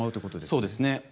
そうですね。